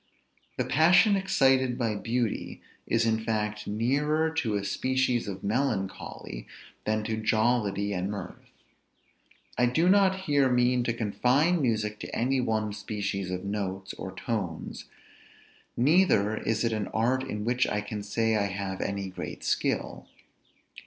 The passion excited by beauty is in fact nearer to a species of melancholy, than to jollity and mirth. I do not here mean to confine music to any one species of notes, or tones, neither is it an art in which I can say I have any great skill.